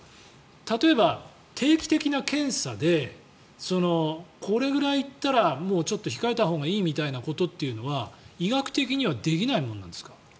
例えば、定期的な検査でこれぐらいいったらもう控えたほうがいいみたいなことっていうのは医学的にはできないものなんですか？